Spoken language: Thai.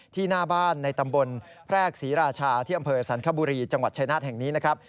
หน้าบ้านในตำบลแพรกศรีราชาที่อำเภอสันคบุรีจังหวัดชายนาฏแห่งนี้นะครับ